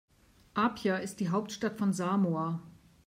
Apia ist die Hauptstadt von Samoa.